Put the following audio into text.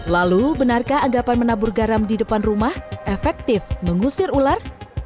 lalu benarkah anggapan menabur garam di depan rumah efektif mengusir ular